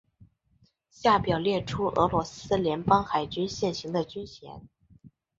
下表列出俄罗斯联邦海军现行的军衔。